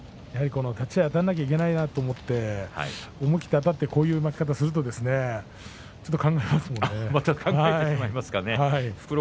やはり立ち合いはあたらなきゃいけないと思って思い切りあたってこういう負け方をするとちょっと考えますものね。